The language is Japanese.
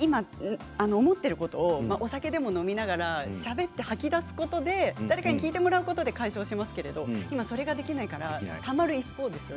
今、思っていることをお酒でも飲みながらしゃべって吐き出すことで誰かに聞いてもらって解消しますけど今、それができないからたまる一方ですよね